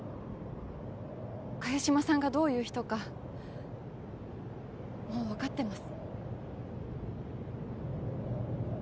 萱島さんがどういう人かもう分かってます